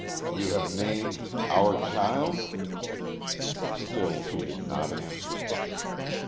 "You have named our child?" Still she did not answer.